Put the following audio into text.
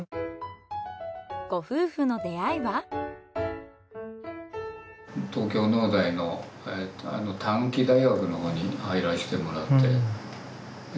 ご夫婦の東京農大の短期大学のほうに入らせてもらって。